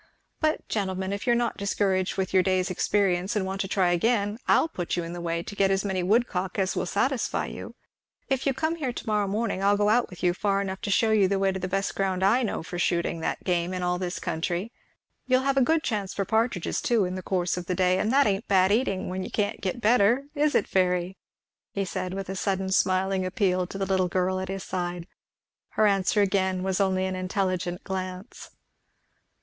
But gentlemen, if you are not discouraged with your day's experience and want to try again, I'll put you in a way to get as many woodcock as will satisfy you if you'll come here to morrow morning I'll go out with you far enough to shew you the way to the best ground I know for shooting that game in all this country; you'll have a good chance for partridges too in the course of the day; and that ain't bad eating, when you can't get better is it, Fairy?" he said, with a sudden smiling appeal to the little girl at his side. Her answer again was only an intelligent glance.